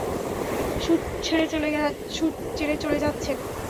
Shoot ছেড়ে চলে যাচ্ছেন?